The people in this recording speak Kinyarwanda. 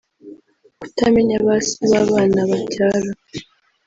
Kutamenya ba se b’abana babyara